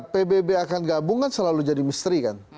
pbb akan gabung kan selalu jadi misteri kan